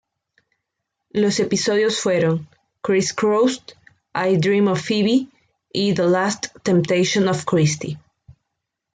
Los episodios fueron "Chris-Crossed", "I Dream of Phoebe" y "The Last Temptation of Christy".